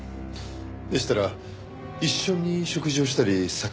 でしたら一緒に食事をしたり酒を飲んだりした事も？